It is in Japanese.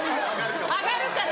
・上がるかな？